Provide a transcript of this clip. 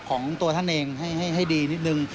ของตัวท่านเองให้ดีนิดนึง